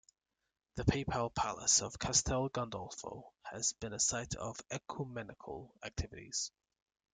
The Papal Palace of Castel Gandolfo has been a site of ecumenical activities.